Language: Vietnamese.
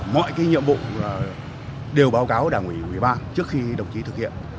mọi cái nhiệm vụ đều báo cáo đảng ủy ủy ban trước khi đồng chí thực hiện